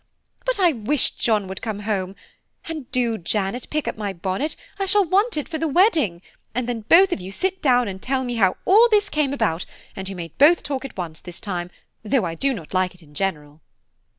But I wish John would come home; and do, Janet, pick up my bonnet, I shall want it for the wedding, and then both of you sit down and tell me how all this came about, and you may both talk at once this time, though I do not like it in general."